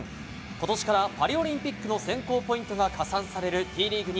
ことしからパリオリンピックの選考ポイントが加算されるＴリーグ